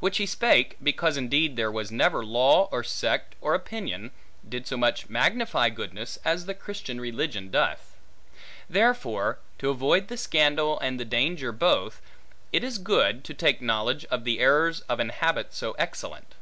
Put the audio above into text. Which he spake, because indeed there was never law, or sect, or opinion, did so much magnify goodness, as the Christian religion doth. Therefore, to avoid the scandal and the danger both, it is good, to take knowledge of the errors of an habit so excellent.